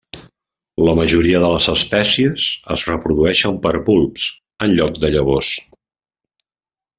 La majoria de les espècies es reprodueixen per bulbs en lloc de llavors.